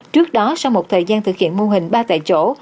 trước đó sau một thời gian thực hiện mô hình ba tại chỗ